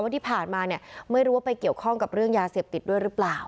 ที่ผ่านมาเนี่ยไม่รู้ว่าไปเกี่ยวข้องกับเรื่องยาเสพติดด้วยหรือเปล่า